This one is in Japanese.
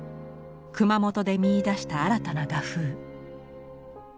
熊本で見いだした新たな画風。